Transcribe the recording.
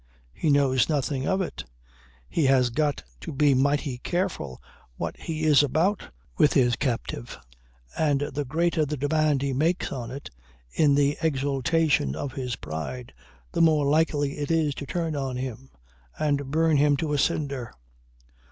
He knows nothing of it. He has got to be mighty careful what he is about with his captive. And the greater the demand he makes on it in the exultation of his pride the more likely it is to turn on him and burn him to a cinder